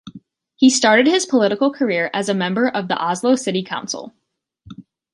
He started his political career as a member of the Oslo City Council.